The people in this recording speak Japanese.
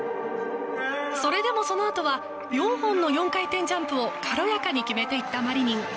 それでも、そのあとは４本の４回転ジャンプを軽やかに決めていったマリニン。